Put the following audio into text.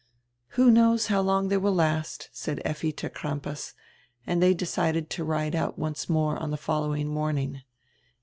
"Who knows how long diey will last," said Effi to Crampas, and diey decided to ride out once more on die following morning.